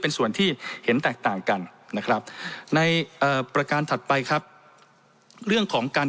เป็นส่วนที่เห็นแตกต่างกันนะครับในเอ่อประการถัดไปครับเรื่องของการ